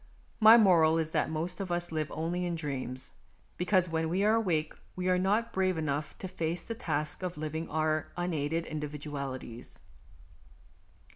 My moral is that most of us live only in dreams, because when we are awake we are not brave enough to face the task of living with our unaided individualities.